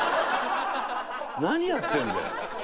何やってんだよ。